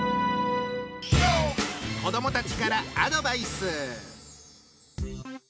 子どもたちからアドバイス！